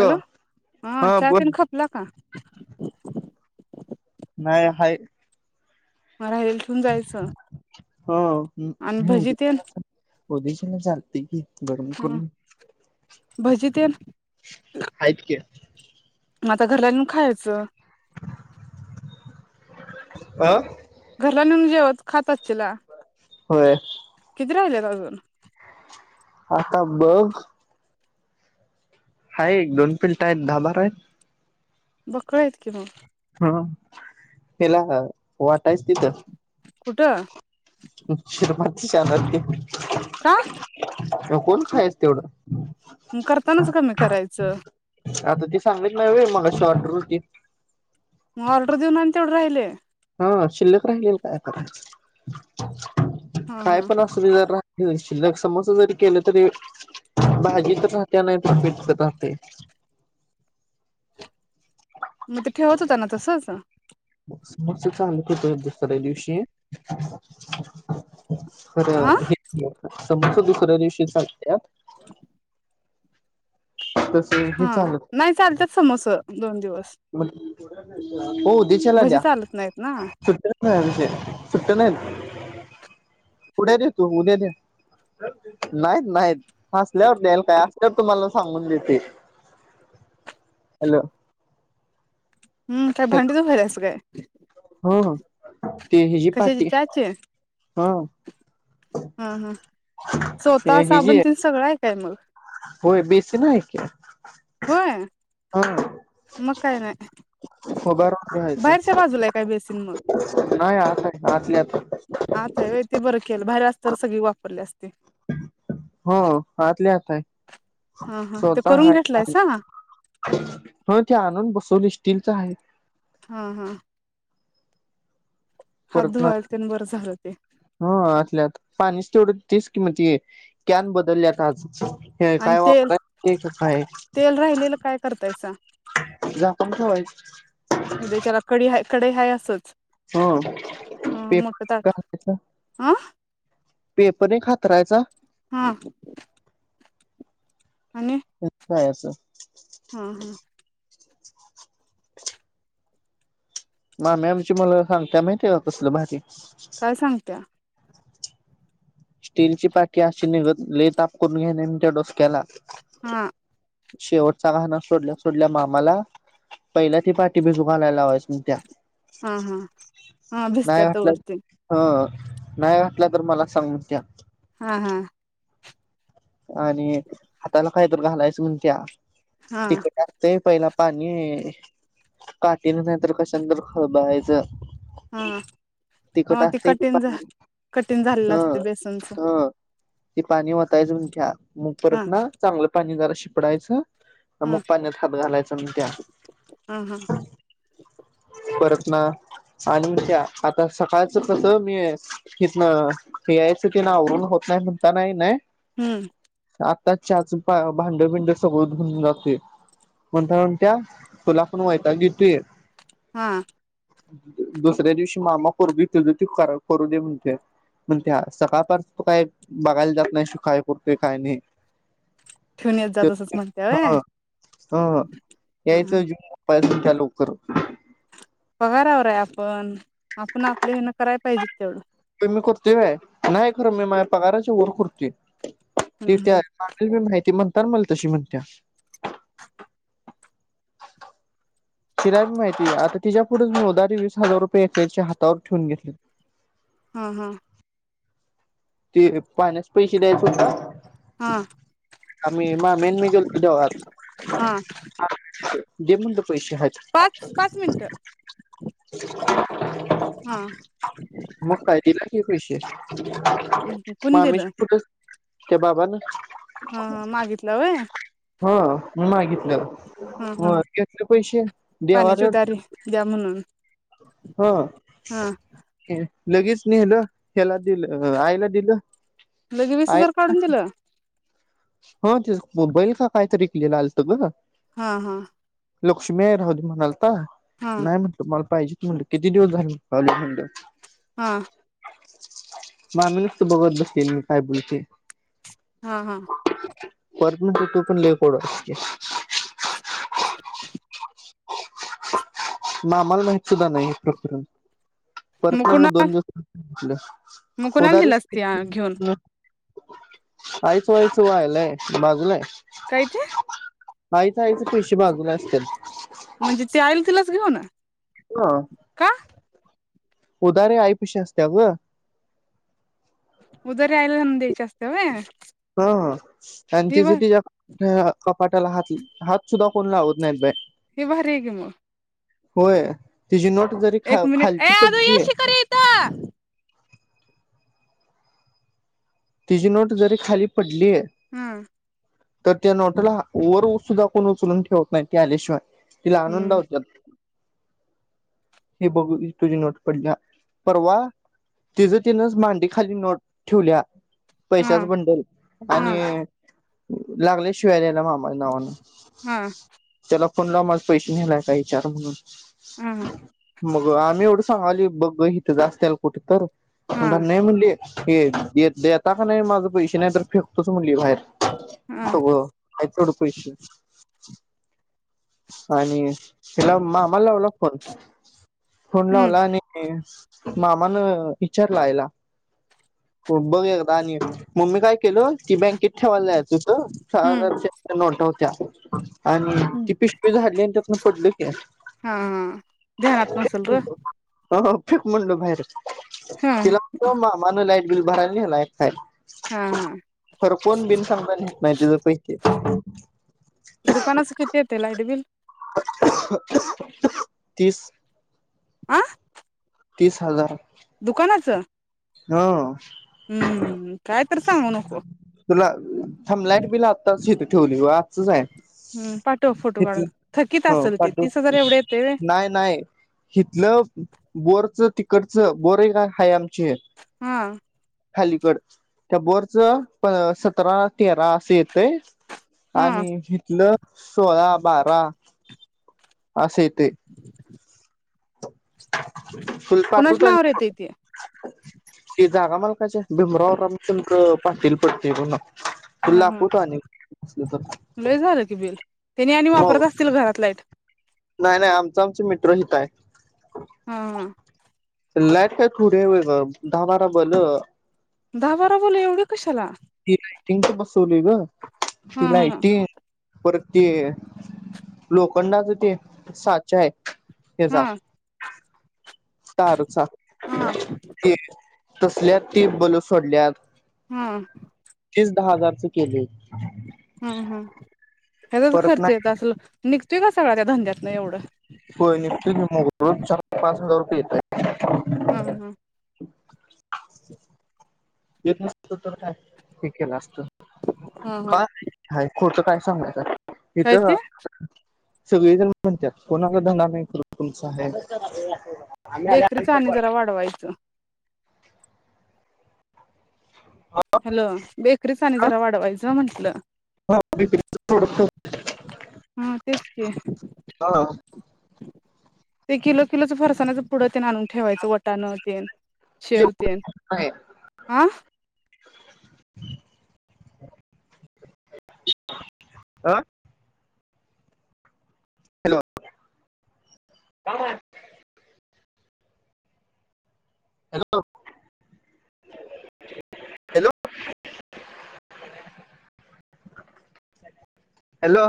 Hello हा चहा तेन खपला का? नाही हाय. राहिलेलं येथून जायचं. हो. आण भजी तेन [unintelligible] चालतय की? गरम हा करून भजी तेल आहेत की मग आता घरला निघू खायाचं. अ घरला नेवून जेवत खाता आशिला होय. किती राहिल्यात आजून? आता बघ हाय एक दोन पिल्ट आहेत दहा बारा आहेत. बकळ आहेत कि मन. हम त्याला वाटायच तिथं कुठं? छानर दे. का? मग कोण खायचं तेवढं. म करतानाच कमी करायचं. आता ते सांगत नाही मग शॉर्टर होती. मग ऑर्डर देऊन आणि तेवढं राहिले. हा शिल्लक राहिलेल काय करायच? हा काय हा पण अस जरा शिल्लक समोसा जरी केले तरी भाजी तर राहते, नाही तर पटत राहते. मग ते ठेवत होता ना तसचं. समोरच चालू दुसऱ्या दिवशी [inaudible] आ खरं हे समज दुसऱ्या दिवशी चागत्यात. [inaudible] तसे हे हा चालत नाही चालतात समोस. दोन दिवस. [unintelligible] हो देशाला भजी द्या चालत नाहीत ना सुट्ट नाही श सुट्ट नाहीत. पुढे देेतू उद्या दे नाहीत नाहीत हसल्यावर द्यायला काय असल्यावर तुम्हाला सांगून देते. हॅलो हम् काय भांडी हॅलो दुवाल्यास काय? [inaudible] ह हे ते हिजी कशाची पा्टी चहाची हा हा हा स्वतः ते हि जी साबण तेन सगळं आहे काय मग होय बेसीन हाय की. होय हा मग काय नाही उभारून घ्यायचं बाहेरच्या बाजूला काय बेसीन मग, नाही आत आहे आतल्या आत आत हाय होय ते बरं केलं बाहेर असत सगळी वापरली असते. हो आतल्या आत हाय. हा हा ते करून घेतलंयसा? ह ते आणून बसवले स्टीलच हाय. हा हा. हात परतन धुवायला तेन बरं झालं ते ह आतल्या आत पाणीच तेवढ तेच कि म ते कॅन बदलल्यात आज हे आणि काय तेल वापराय [unintelligible] काय, तेल राहिलेलं काय करतायसा? झाकण ठेवायच. [inaudible] उद्या च्याला कडी हाय. कढई हाय असंच हा हा मोठं पेपर ताट [unintelligible] चा अ पेपर एक हातरायचा हा. आणि बाय अस हा हा. मामी आमची मला सांगत्या नई ते कसलं भारी काय सांगत्या? स्टीलची पाटी अशी निघत, लई ताप करून घ्याय नई म्हणत्या डोसक्याला हा. शेवटचा घाणा सोडल्या सोडल्या मामाला, पयल्या ती पाठी भिजू घालायला लावायच. [unintelligible] त्या हा हा हा भिजत्या नाय वाटलं तवर ते ह नाही घाटला तर मला सांग म्हणस त्या हा हा. आणि हाताला काय तर घालायचं म्हणत्या. हा तिकट असतय पयला पाणी काटीन नाही तर कशानं तर खळबळायचं हा तिखट हा ते असतंय कठीण झा, पाणी कठीण ह झालेलं असतय बेसनच ह ते पाणी वतायच म्हण त्या मग हा परतन चांगलं पाणी गारा शिपडायचं हा अमुक पाण्यात हात घालायच म्हणत्या हा हा परत ना आणि त्या आता सकाळच कसं मी हिथनं प्यायचं तेन आवरून होत नाय, म्हणतान कीनय हम्म. आता चहाच पा भांड बिंड सगळं धून जातोय, म्हणताना म्हणत्या तुला पण वैताग येतुय. हा. दु दु दुसऱ्या दिवशी मामा करु दे, त्यज त्यो कार करू दे म्हणत्या, म्हणत्या सकाळपास तू काय बघायल जात नाहीस त्यो काय कर ते काय न्हई. ठेवून येत जा तसच म्हणतीया होय हा लोकर पगारावर आहे आपण आपण आपले हेन करायला पाहिजे तेवढं आम्ही करतोय होय. नाही खरं मी माय पगारच वर करुतेय [unintelligible] ति त्या हम्म माममीला माहिती म्हण तर मल तशी म्हणत्या शिरा बी मी माहितीये आता तिच्या पुढच मी उधारी वीस हजार रुपये एकीच्या हातावर ठेवून घेतले. हा-हा ते पाहण्यास पैसे द्यायच होता. हा हा आम्ही मामी मी गेलतो ते बगा हा [unintelligible] जे [unintelligible] पाच पाच मिनिटं हा [unintelligible] मग काय दिलं की पैसे हम्म कोण दिलं? ते बाबा ना हा हा मागितलं होय. हो मी मागितलं. हो हा घेतले पैसेे द्या पाण्याची उदारी द्या म्हणून हो हा लगेच नेला ह्याला दिलं आईला दिलं. लगे वीस आई हजार काढून दिलं. हा ते बैल का काय तरी केलेलं आलत बघ हा हा लक्ष्मी राहू दे म्हणाल [unintelligible] हा नाही म्हटलं म पाहिजे म्हण किती दिवस झाले म्हण हा मामी नुसतं बघत बसते मी काय बोलते हा हा परमनंट होतो पण लय [unintelligible] मामा आम्हाला माहित सुद्धा नाही हे प्रकरण परत मग दोन दिवसन मग कुणाला उदारीच दिलास ते की घेऊन म् आईच वयच व्हालये बाजूला आहे काय ते? माही जायचे पैसे बाजूला असत्यात हो ना [inaudible] उदारी आईपशी असत्या गं उदारी आईला आणून द्यायची असत्या व्हय? हा आणि हे तिज बर तिच्या कपाटाला हात हात सुद्धा कोण लावत नाइत बाई. हे भारी हाय की म. होय. तिची नोट जरी एक खा मिनिट ए खालची आरु ये पडली शी कार इथं तिजी नोट जरी खाली पड हा तर त्या नोटला वर सुद्धा कोण उचलून ठेवत नाही ती आल्याशिवाय तिला आनंद हम्म होत्यात हे बघू तुझी नोट पडल्या परवा तिज तिनंच मांडी खाली नोट ठुल्या हा पैशाचं बंडल हा आणि लागल्या शिव्या द्यायला ल्या मामाच्या नावानं हा तेला फोन लाव माझं पैशे नेलाय काय विचार म्हणून? हा हा. मग आम्ही एवढं सांगालोय बघ गं हि तथंच आसत्याल कुठ तर [unintelligible] हा हाय म्हणली. हे [unintelligible] [unintelligible] नाई माझं पैशे [unintelligible] नाई तर फेकतोच म्हणली बाहेर हा सगळं हाईत तेवढं पैशे [inaudible] आणि त्याला मामाला लावला फोन. फोन हम्म लावला आणि मामानं इचारलं आईला हो बघ एकदा आणि म मी काय केलं की ती बँक [inaudible] हम्म त्या आणि हम्म ती पिशवी झाडली आणि त्यात नोट पडली. हा हा ध्यानात नसल रं. ह ह फेक म्हनलं बाहेर. तिला फक्त मामाला [unintelligible] बिल भरायला नेलाय. हा [unintelligible] हा खर कोण बिन [unintelligible] नाही तच्या पैकी. ते लायटबिल तीस आं? तीस हजार दुकानाचं? हो. हम्म कायतर सांगू नको. तुला थांब लाईट बिल आताच हिथं ठेवली. [unintelligible] [unintelligible] आहे हम् पाठव फोटो हिथ काढून थकीत हो असंल ते पाठव तीस हजार एवढं येतंय व्हय? नाही नाही हिथलं बोरचं तिकडचं बोर एक हाय आमची. हा खालीकड त्या बोरचं प सतरा तेरा असं येतय. हा आणि हितलं सोळा बारा असे ते फुल कुणाच नावावर येतय ते [unintelligible] मला [unintelligible] भीमराव रामचंद्र हा हा [unintelligible] [unintelligible] [unintelligible] लय झालं की बिल त्यांनी आणि मग वापरत असतील घरात लाईट नाही नाही आमचं आमचं मिटर हिताय हा हा लाईट काय थोडी हाय व्हय ब दहा बारा बलं दहा बारा बलं एवढं कशाला तेच बसवलय गं हा हा लायटी परत ते लोखंडाचं ते साचा आहे ते जा हा सारूचा हा ते [unintelligible] तसल्यात ती बलं सोडल्यात.. हम् तीस दहा हजारचे केलंय. हा हा ह्याचाच परत खर्च येत असल? निघतोय का सगळा त्या धंद्यातनं एवढं होय निघतोय ना मग रोज चार पाच हजार रुपये येतायेत. हा हा येत नसत तर काय हे केलं असत. हा हा काय हाय खोट काय सांगायचं काय ते इथं सगळे जण म्हणत्यात कोणाला धंदा नाही करत तुमचा आहे. बेकरीच आणि जरा वाढवायचं. हॅलो बेकरीच आणि हा, जरा वाढवायचं म्हंटलं विक्रीचं प्रोडक्ट हा तेच की हॅलो ते किलो किलोच फरसाणाच पुढं ते आणून ठेवायचं वटाण तेन शेव तेन हा आह हॅलो [unintelligible] हॅलो हॅलो हॅलो